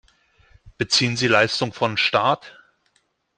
Beziehen Sie Leistungen von Staat?